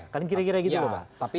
kan kira kira gitu loh pak